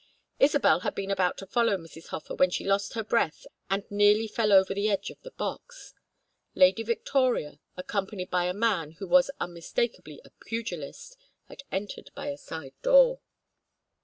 Isabel had been about to follow Mrs. Hofer when she lost her breath and nearly fell over the edge of the box. Lady Victoria, accompanied by a man who was unmistakably a pugilist, had entered by a side door.